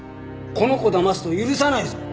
この子をだますと許さないぞ！